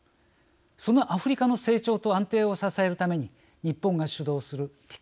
そのアフリカの成長と安定を支えるために日本が主導するＴＩＣＡＤ＝